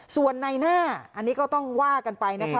ส่วนในหน้าอันนี้ก็ต้องว่ากันไปนะคะ